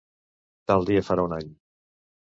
Tal dia farà un any!